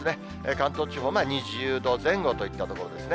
関東地方、２０度前後といったところですね。